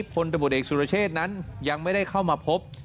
พลตำรวจเอกสุรเชษนั้นยังไม่ได้เข้ามาพบ